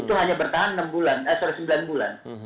itu hanya bertahan sembilan bulan